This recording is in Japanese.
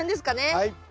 はい。